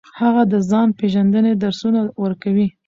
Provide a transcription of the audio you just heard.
هغه د ځان پیژندنې درسونه ورکوي.